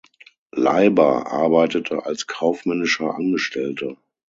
Leiber arbeitete als kaufmännischer Angestellter.